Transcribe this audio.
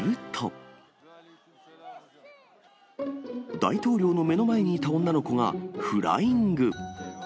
大統領の目の前にいた女の子がフライング。